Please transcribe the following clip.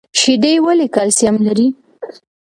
شیدې ولې کلسیم لري؟